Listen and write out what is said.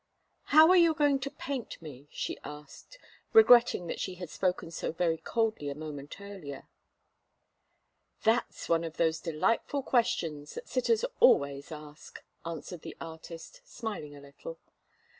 "How are you going to paint me?" she asked, regretting that she had spoken so very coldly a moment earlier. "That's one of those delightful questions that sitters always ask," answered the artist, smiling a little.